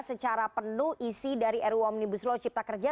secara penuh isi dari ruu omnibus law cipta kerja